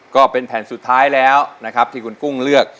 ก็เป็นแผ่นสุดท้ายแล้วนะครับที่คุณกุ้งเลือก